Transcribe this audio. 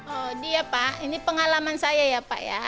oh dia pak ini pengalaman saya ya pak ya